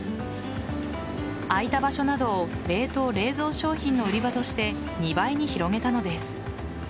空いた場所などを冷凍・冷蔵商品の売り場として２倍に広げたのです。